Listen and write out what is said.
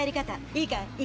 いいかい？